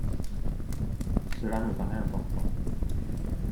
Cela me paraît important.